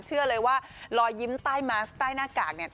เชื่อเลยว่ารอยยิ้มใต้มาสใต้หน้ากากเนี่ย